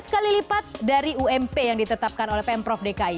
dua belas kali lipat dari wmp yang ditetapkan oleh pm prof dki